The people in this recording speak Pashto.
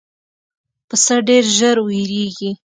پسه ډېر ژر وېرېږي.